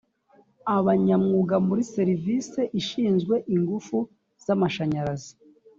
abanyamwuga muri serivisi ishinzwe ingufu za amashanyarazi